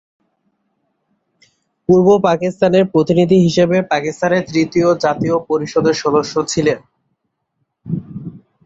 পুর্ব পাকিস্তানের প্রতিনিধি হিসাবে পাকিস্তানের তৃতীয় জাতীয় পরিষদের সদস্য ছিলেন।